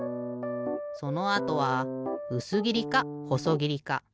そのあとはうすぎりかほそぎりか。